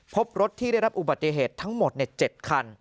พบรถที่ได้รับอุบัติเหตุทั้งหมด๗คัน